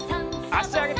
あしあげて。